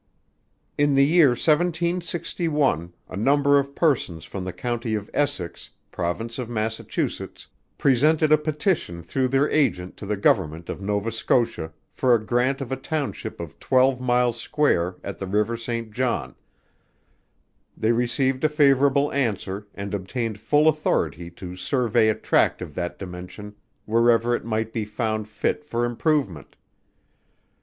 _ In the year 1761, a number of persons from the county of Essex, province of Massachusetts, presented a petition through their agent to the Government of Nova Scotia, for a grant of a Township of twelve miles square at the river Saint John, they received a favorable answer and obtained full authority to survey a tract of that dimension wherever it might be found fit for improvement.